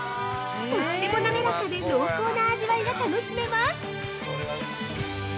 とってもなめらかで濃厚な味わいが楽しめます。